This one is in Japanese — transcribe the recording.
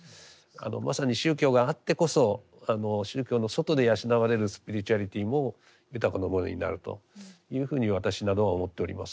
まさに宗教があってこそ宗教の外で養われるスピリチュアリティも豊かなものになるというふうに私などは思っております。